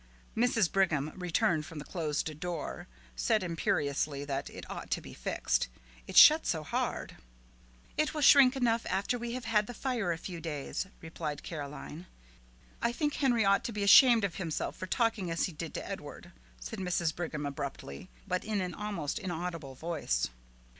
Mrs. Brigham, returning from the closed door, said imperiously that it ought to be fixed, it shut so hard. "It will shrink enough after we have had the fire a few days," replied Caroline. "I think Henry ought to be ashamed of himself for talking as he did to Edward," said Mrs. Brigham abruptly, but in an almost inaudible voice.